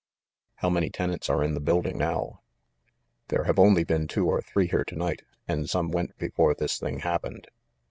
"How many tenants are in the building now ?" "There have only been two or three here to night, and some went before this thing happened.